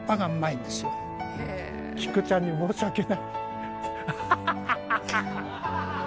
菊ちゃんに申し訳ない。